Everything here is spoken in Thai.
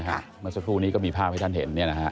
เมื่อสักครู่นี้ก็มีภาพให้ท่านเห็น